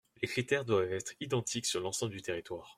Les critères doivent être identiques sur l’ensemble du territoire.